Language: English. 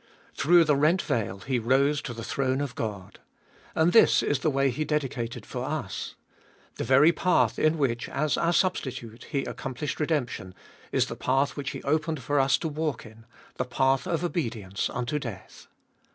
Through the rent veil He rose to the throne of God. And this is the way He dedicated for us. The very path in which, as our Substitute, He accom plished redemption, is the path which He opened for us to walk in, the path of obedience unto death.